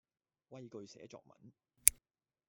畏懼寫作文